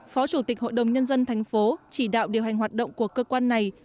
phó chủ tịch hội đồng nhân dân tp chỉ đạo điều hành hoạt động của cơ quan này